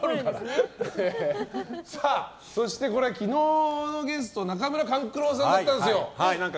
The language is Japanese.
そして、これは昨日のゲスト中村勘九郎さんだったんですよ。